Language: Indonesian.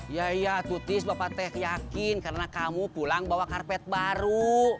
ya iya tutis bapak teh yakin karena kamu pulang bawa karpet baru